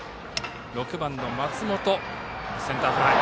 ６番の松本、センターフライ。